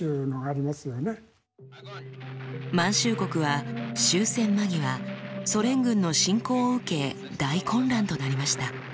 満州国は終戦間際ソ連軍の侵攻を受け大混乱となりました。